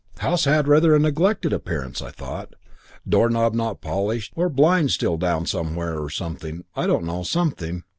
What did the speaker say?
House had rather a neglected appearance, I thought. Door knob not polished, or blinds still down somewhere or something. I don't know. Something.